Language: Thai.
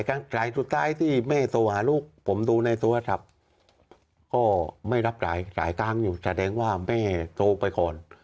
สายสุดท้ายที่แม่โทรหาลูกผมดูในโทรศัพท์ก็ไม่รับหลายหลายครั้งอยู่แสดงว่าแม่โทรไปก่อน